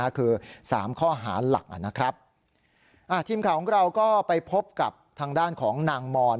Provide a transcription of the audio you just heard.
คือ๓ข้อหาหลักนะครับทีมข่าวของเราก็ไปพบกับทางด้านของนางมอน